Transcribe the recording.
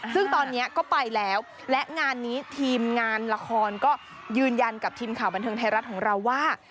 ซึ่งตอนนี้ก็ไปแล้วและงานนี้ทีมงานละครก็ยืนยันกับทีมข่าวบันเทิงไทยรัฐของเราว่า